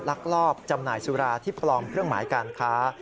ลักลอบจำหน่ายสุราที่ปลอมเครื่องหมายการค้า